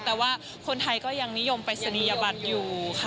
แต่ว่าคนไทยก็ยังนิยมปริศนียบัตรอยู่ค่ะ